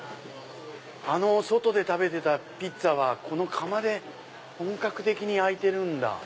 あの外で食べてたピッツァはこの窯で本格的に焼いてるんだ。